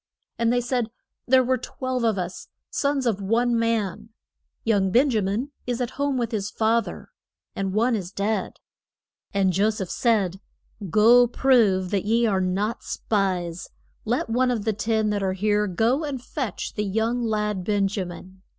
And they said, There were twelve of us, sons of one man. Young Ben ja min is at home with his fa ther, and one is dead. And Jo seph said, Go prove that ye are not spies; let one of the ten that are here go and fetch the young lad, Ben ja min.